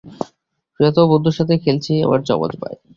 প্রিয়তম বন্ধুর সাথে খেলছি, আমার যমজ ভাই।